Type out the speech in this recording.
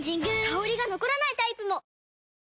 香りが残らないタイプも！